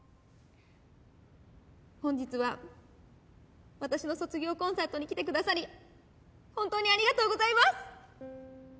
本日は私の卒業コンサートに来てくださり本当にありがとうございます！